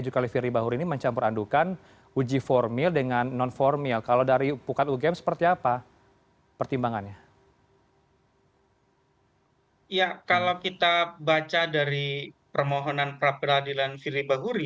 selamat malam waalaikumsalam bang hirano